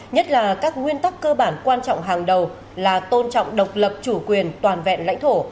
nhất là các nguyên tắc cơ bản quan trọng hàng đầu là tôn trọng độc lập chủ quyền toàn vẹn lãnh thổ